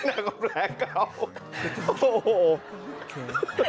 นั่งกับแผลเกา